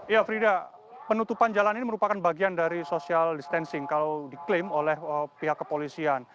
ya frida penutupan jalan ini merupakan bagian dari social distancing kalau diklaim oleh pihak kepolisian